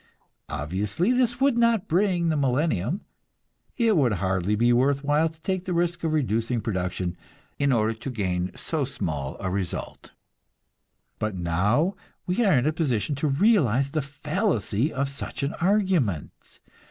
Obviously, this would not bring the millennium; it would hardly be worth while to take the risk of reducing production in order to gain so small a result. But now we are in position to realize the fallacy of such an argument.